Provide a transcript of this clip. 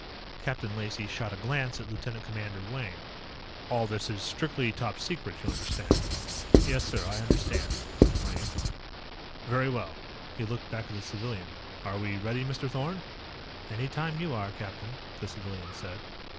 Captain Lacey shot a glance at Lieutenant Commander Wayne. "All this is strictly Top Secret you understand." "Yes, sir; I understand," said Wayne. "Very well." He looked back at the civilian. "Are we ready, Mr. Thorn?" "Anytime you are, captain," the civilian said.